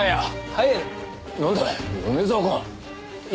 はい。